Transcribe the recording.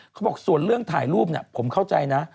เขาบอกส่วนเรื่องถ่ายรูปเนี่ยผมเข้าใจนะ